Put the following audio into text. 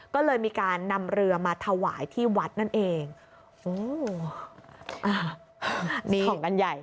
ก็เลยมีการนำเรือมาถวายที่วัดนั่นเองโอ้อ่านี่ของกันใหญ่